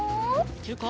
いけるか？